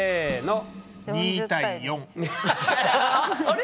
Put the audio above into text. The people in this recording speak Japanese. あれ？